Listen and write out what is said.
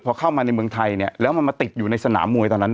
พอเข้ามาในเมืองไทยแล้วมันมาติดอยู่ในสนามมวยตอนนั้น